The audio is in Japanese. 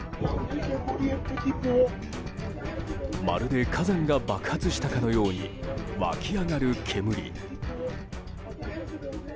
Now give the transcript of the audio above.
まるで火山が爆発したかのように湧き上がる煙。